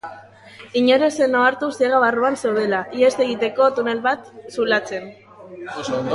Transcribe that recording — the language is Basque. Inor ez zen ohartu ziega barruan zeudela, ihes egiteko tunel bat zulatzen.